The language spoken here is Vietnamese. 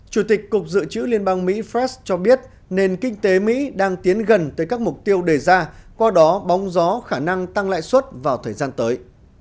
chủ tịch cục dự trữ liên bang mỹ fress cho biết nền kinh tế mỹ đang tiến gần tới các mục tiêu đề ra qua đó bóng gió khả năng tăng lãi suất vào thời gian tới